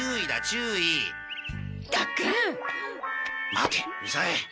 待てみさえ。